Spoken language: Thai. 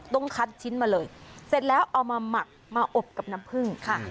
ต้องคัดชิ้นมาเลยเสร็จแล้วเอามาหมักมาอบกับน้ำผึ้ง